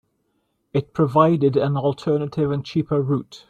It provided an alternative and cheaper route.